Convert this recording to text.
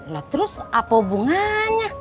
lah terus apa hubungannya